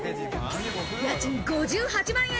家賃５８万円。